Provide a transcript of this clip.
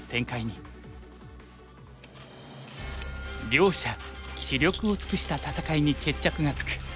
両者死力を尽くした戦いに決着がつく。